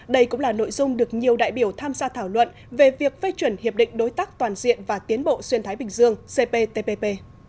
đây cũng là nội dung được nhiều đại biểu tham gia thảo luận về việc phê chuẩn hiệp định đối tác toàn diện và tiến bộ xuyên thái bình dương cptpp